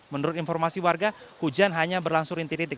menurut informasi warga hujan hanya berlangsung inti inti